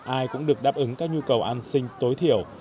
ai cũng được đáp ứng các nhu cầu an sinh tối thiểu